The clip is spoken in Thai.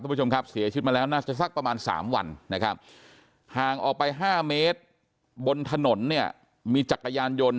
ผู้ชมครับเสียชีวิตมาแล้วน่าจะสักประมาณสามวันนะครับห่างออกไป๕เมตรบนถนนเนี่ยมีจักรยานยนต์